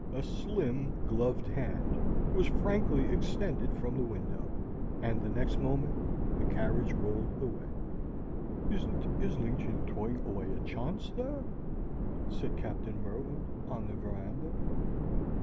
A slim, gloved hand was frankly extended from the window, and the next moment the carriage rolled away. "Isn't Islington throwing away a chance there?" said Captain Merwin, on the veranda.